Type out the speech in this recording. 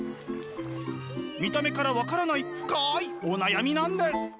見た目から分からない深いお悩みなんです。